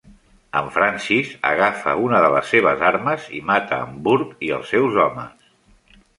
En Francis agafa una de les seves armes i mata en Burke i els seus homes.